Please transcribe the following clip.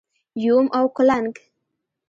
🪏 یوم او کولنګ⛏️